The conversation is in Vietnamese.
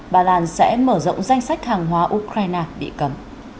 ba lan sẽ mở rộng danh sách hàng hóa ukraine bị cấm